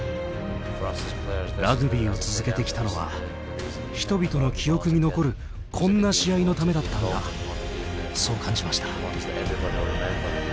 ラグビーを続けてきたのは人々の記憶に残るこんな試合のためだったんだそう感じました。